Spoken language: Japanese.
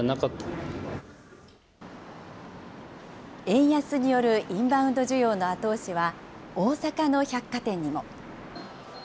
円安によるインバウンド需要の後押しは、大阪の百貨店にも。